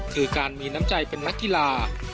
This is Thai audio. คือการมีน้ำใจเป็นนักกีฬา